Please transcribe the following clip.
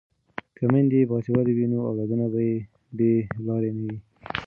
که میندې باسواده وي نو اولادونه به یې بې لارې نه وي.